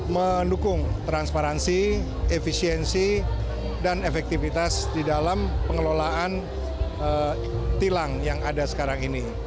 mendukung transparansi efisiensi dan efektivitas di dalam pengelolaan tilang yang ada sekarang ini